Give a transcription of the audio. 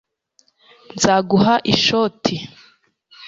nzaguha ishoti